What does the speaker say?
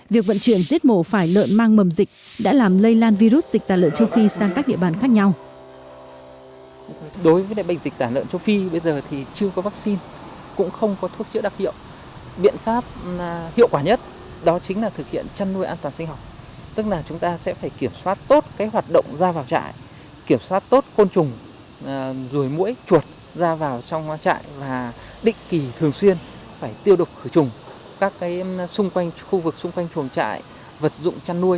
việc vận chuyển rết mổ phải lợn mang mầm dịch đã làm lây lan virus dịch tài lợn châu phi sang các địa bàn khác nhau